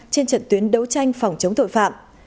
trên trận tuyến đấu tranh phòng chống tội phạm